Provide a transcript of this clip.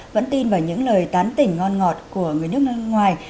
vẫn tin vào những lời tán tỉnh ngon ngọt của người nước ngoài